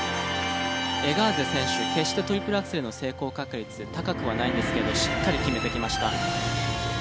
エガーゼ選手決してトリプルアクセルの成功確率高くはないんですけれどしっかり決めてきました。